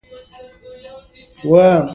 هم تیاره او بدرنګه برخې په کې شته.